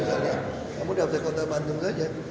kamu di objek kota bandung saja